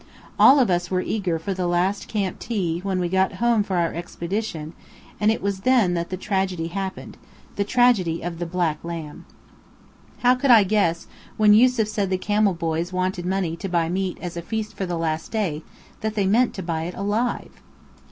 All of us were eager for the "last camp tea," when we got "home" from our expedition, and it was then that the tragedy happened: the tragedy of the black lamb. How could I guess, when Yusef said the camel boys wanted money to buy meat as a feast for the last day, that they meant to buy it alive?